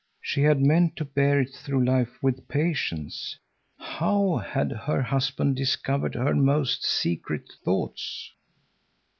She had meant to bear it through life with patience. How had her husband discovered her most secret thoughts?